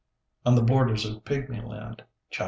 On the Borders of Pigmy Land, Chaps.